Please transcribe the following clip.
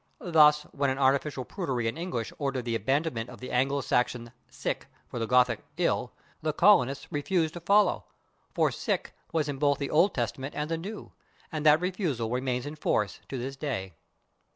Thus when an artificial prudery in English ordered the abandonment of the Anglo Saxon /sick/ for the Gothic /ill/, the colonies refused to follow, for /sick/ was in both the Old Testament and the New; and that refusal remains in force to this day.